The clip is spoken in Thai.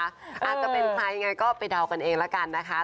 อาจจะเป็นใครยังไงก็ไปเดากันเองละกันนะคะ